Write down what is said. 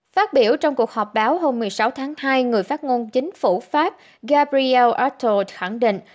phát biểu trong cuộc họp báo hôm một mươi sáu tháng hai người phát ngôn chính phủ pháp gabriel attle khẳng định